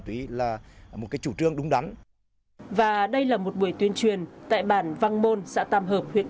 tuy là một cái chủ trương đúng đắn và đây là một buổi tuyên truyền tại bản văn môn xã tam hợp huyện